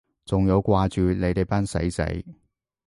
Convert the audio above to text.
仲有掛住你哋班死仔